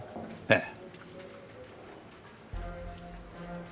ええ。